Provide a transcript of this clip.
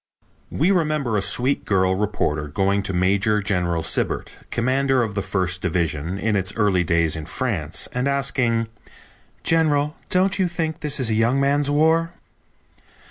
We remember a sweet girl reporter going to Major General Sibert, commander of the First Division in its early days in France, and asking: "General, don't you think this is a young man's war?"